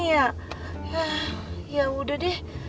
ya ya udah deh